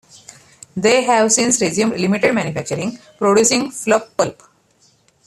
They have since resumed limited manufacturing, producing fluff pulp.